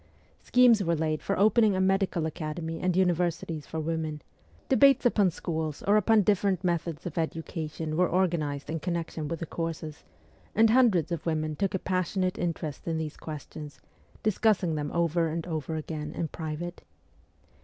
Schemes were laid for opening a medical academy and universities for women ; debates upon schools or upon different methods of education were organized in connection with the courses, and hundreds of women took a passionate interest in these questions, discussing them over and over again in private.